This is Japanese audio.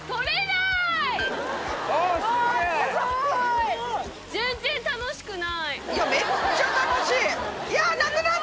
すごいな。